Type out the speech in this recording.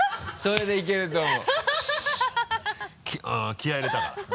気合入れたから。